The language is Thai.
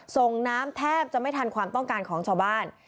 ส่งน้ำแทบจะไม่ทันความต้องการของชาวบ้าน